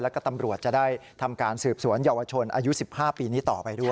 แล้วก็ตำรวจจะได้ทำการสืบสวนเยาวชนอายุ๑๕ปีนี้ต่อไปด้วย